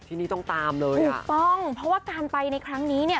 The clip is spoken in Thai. ที่นี่ต้องตามเลยถูกต้องเพราะว่าการไปในครั้งนี้เนี่ย